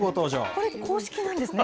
これ、公式なんですね？